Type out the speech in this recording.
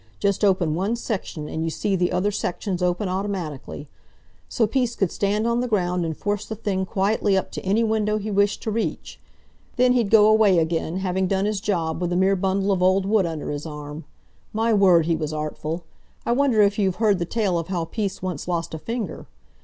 Just open one section, and you see the other sections open automatically; so Peace could stand on the ground and force the thing quietly up to any window he wished to reach. Then he'd go away again, having done his job, with a mere bundle of old wood under his arm! My word, he was artful! I wonder if you've heard the tale of how Peace once lost a finger.